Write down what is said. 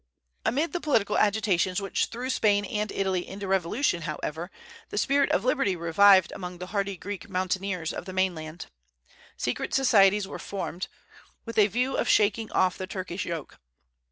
Amid the political agitations which threw Spain and Italy into revolution, however, the spirit of liberty revived among the hardy Greek mountaineers of the mainland. Secret societies were formed, with a view of shaking off the Turkish yoke.